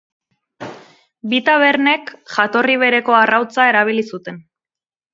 Bi tabernek jatorri bereko arrautza erabili zuten.